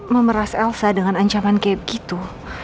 memeras elsa dengan ancaman kayak begitu